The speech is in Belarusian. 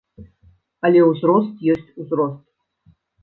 Але ўзрост ёсць узрост.